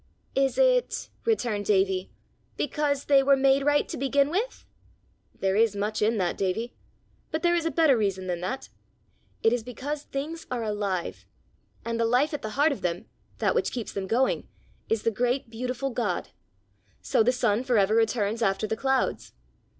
"Is it," returned Davie, "because they were made right to begin with?" "There is much in that, Davie; but there is a better reason than that. It is because things are alive, and the life at the heart of them, that which keeps them going, is the great, beautiful God. So the sun for ever returns after the clouds.